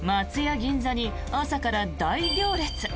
銀座に朝から大行列。